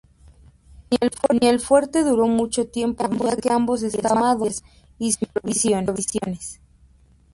Ni el fuerte duró mucho tiempo ya que ambos estaban diezmados y sin provisiones.